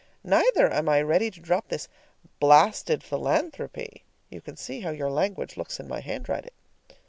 Neither am I ready to drop this blasted philanthropy. (You can see how your language looks in my handwriting!)